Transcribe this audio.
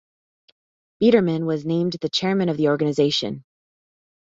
Biderman was named the chairman of the organization.